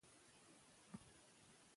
کلتور نه زیانمنېږي.